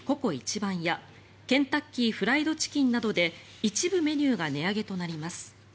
番屋ケンタッキー・フライド・チキンなどで一部メニューが値上げとなります。